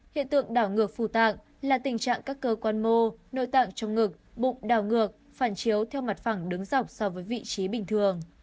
hiện tượng đảo ngược phù tạng là tình trạng các cơ quan mô nội tạng trong ngực bụng đào ngược phản chiếu theo mặt phẳng đứng dọc so với vị trí bình thường